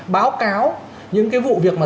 báo cáo những cái vụ việc mà